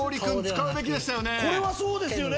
これはそうですよね。